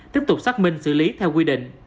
tiếp tục xác minh xử lý theo quy định